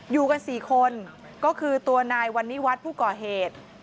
อยู่กัน๔คนก็คือตัวนายวันนี้วัดผู้ก่อเหตุ